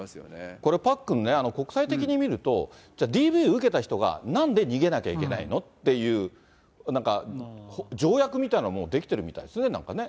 これ、パックンね、国際的に見ると、じゃあ、ＤＶを受けた人がなんで逃げなきゃいけないのっていう、なんか、条約みたいなのが出来ているみたいですね、なんかね。